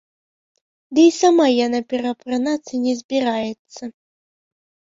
Ды і сама яна пераапранацца не збіраецца.